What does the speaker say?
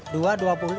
dua dua puluh